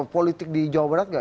politik di jawa barat nggak